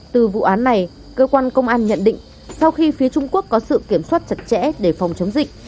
từ vụ án này cơ quan công an nhận định sau khi phía trung quốc có sự kiểm soát chặt chẽ để phòng chống dịch